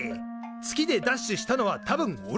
月でダッシュしたのは多分おれだけ。